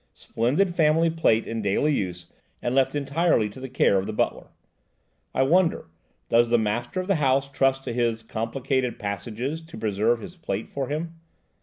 Splendid family plate in daily use and left entirely to the care of the butler.' I wonder, does the master of that house trust to his 'complicated passages' to preserve his plate for him?